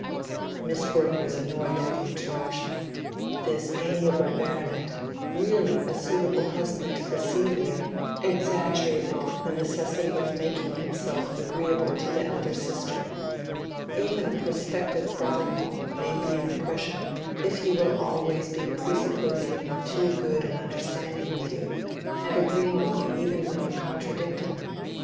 Miss Brooke was annoyed at the interruption. This amiable baronet, really a suitable husband for Celia, exaggerated the necessity of making himself agreeable to the elder sister. Even a prospective brother in law may be an oppression if he will always be presupposing too good an understanding with you, and agreeing with you even when you contradict him.